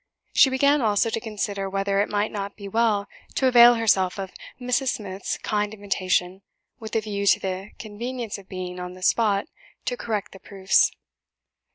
She began, also, to consider whether it might not be well to avail herself of Mrs. Smith's kind invitation, with a view to the convenience of being on the spot to correct the proofs.